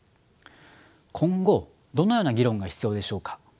今後どのような議論が必要でしょうか。